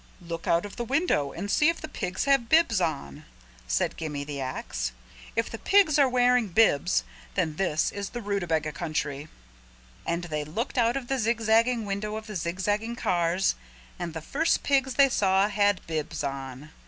"Look out of the window and see if the pigs have bibs on," said Gimme the Ax. "If the pigs are wearing bibs then this is the Rootabaga country." And they looked out of the zigzagging windows of the zigzagging cars and the first pigs they saw had bibs on.